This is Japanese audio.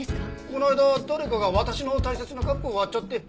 この間誰かが私の大切なカップを割っちゃって。